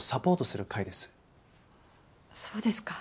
そうですか。